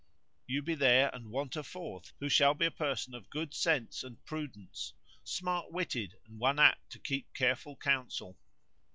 You be three and want a fourth who shall be a person of good sense and prudence; smart witted, and one apt to keep careful counsel."